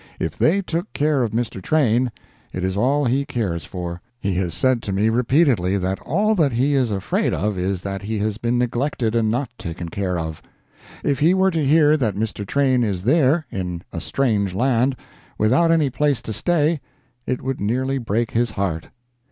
If they took care of Mr. Train, it is all he cares for. He has said to me repeatedly that all that he is afraid of is that he has been neglected and not taken care of. If he were to hear that Mr. Train is there, in a strange land, without any place to stay, it would nearly break his heart.